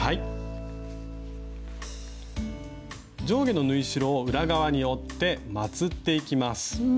上下の縫い代を裏側に折ってまつっていきます。